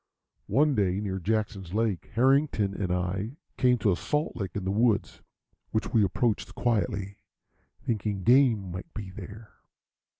One day, near Jackson's Lake, Harrington and I came to a salt lick in the woods, which we approached quietly, thinking game might be there.